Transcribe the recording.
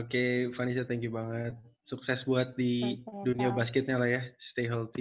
oke vanessa thank you banget sukses buat di dunia basketnya lah ya stay healthy